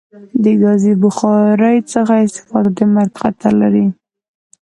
د کازی بخاری څخه استفاده د مرګ خطر لری